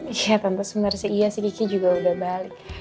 iya tante sebenernya sih iya sih kiki juga udah balik